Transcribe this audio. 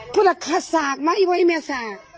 พุทธศาสตร์มาไอ้ว้ายไอ้แม่ศาสตร์